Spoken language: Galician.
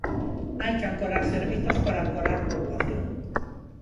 Hai que ancorar servizos para ancorar poboación.